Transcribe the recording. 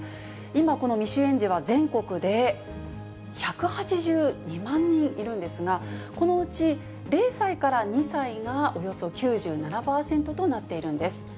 今、この未就園児は全国で１８２万人いるんですが、このうち０歳から２歳がおよそ９７％となっているんです。